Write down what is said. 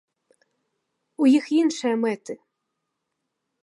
У іх іншыя мэты.